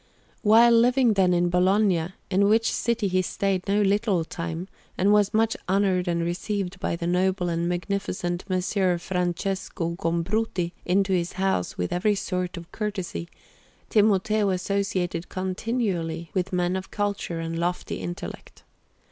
While living, then, in Bologna, in which city he stayed no little time, and was much honoured and received by the noble and magnificent Messer Francesco Gombruti into his house with every sort of courtesy, Timoteo associated continually with men of culture and lofty intellect.